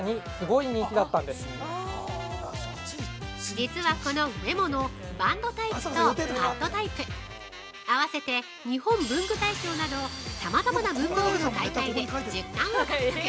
実は、このｗｅｍｏのバンドタイプとパッドタイプあわせて、日本文具大賞などさまざまな文房具の大会で１０冠を獲得。